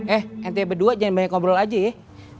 eh ntb berdua jangan banyak ngobrol aja ya